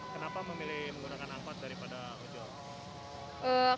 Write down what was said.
kenapa memilih menggunakan angkot daripada ujob